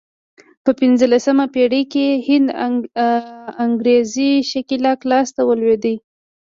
په پنځلسمه پېړۍ کې هند انګرېزي ښکېلاک لاس ته ولوېد.